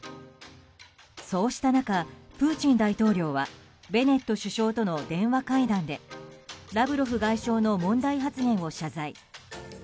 そうした中、プーチン大統領はベネット首相との電話会談でラブロフ外相の問題発言を謝罪。